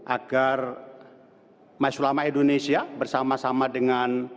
agar masyulama indonesia bersama sama dengan